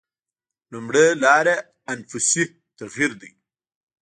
لومړۍ لاره انفسي تغییر ده.